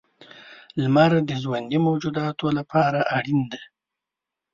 • لمر د ژوندي موجوداتو لپاره اړینه دی.